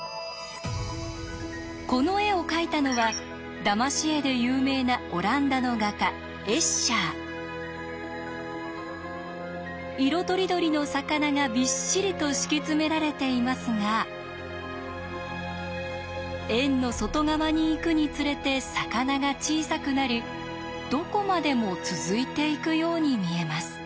この絵を描いたのはだまし絵で有名なオランダの画家色とりどりの魚がびっしりと敷き詰められていますが円の外側に行くにつれて魚が小さくなりどこまでも続いていくように見えます。